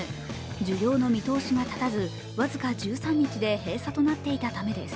需要の見通しが立たず僅か１３日で閉鎖となっていたためです。